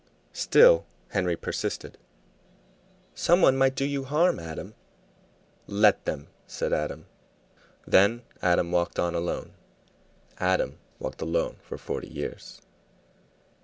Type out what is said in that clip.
Still Henry persisted. "Some one might do you harm, Adam." "Let them!" said Adam. Then Adam walked on alone. Adam walked alone for forty years.